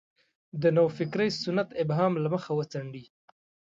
د نوفکرۍ سنت ابهام له مخه وڅنډي.